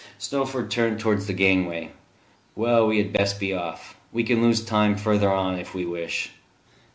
Snowford turned towards the gangway. "Well, we had best be off: we can lose time further on, if we wish."